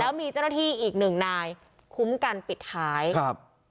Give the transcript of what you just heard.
แล้วมีเจ้าหน้าที่อีกหนึ่งนายคุ้มกันปิดท้ายครับ